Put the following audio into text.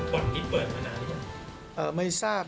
ควรพิษเปิดมานานหรอ